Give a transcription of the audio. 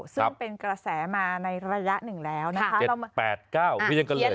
ซึ่งเป็นกระแสมาในระยะหนึ่งแล้วนะคะ